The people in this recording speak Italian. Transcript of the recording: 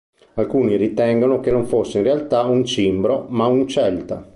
Alcuni ritengono che non fosse in realtà un cimbro, ma un celta.